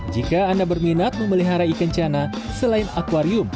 jika anda berminat memelihara ikan cana selain akwarium